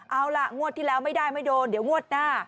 เอาล่ะงวดที่แล้วไม่ได้ไม่โดนเดี๋ยวงวดหน้า